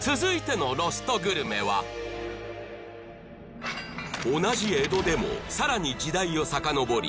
続いてのロストグルメは同じ江戸でも更に時代を遡り